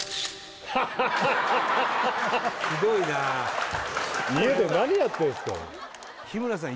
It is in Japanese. ひどいな家で何やってんすか日村さん